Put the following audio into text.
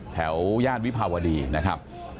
ย่านวิภาวดีนะครับ